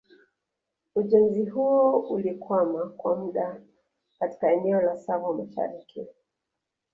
Ujenzi huo ulikwama kwa muda katika eneo la Tsavo mashariki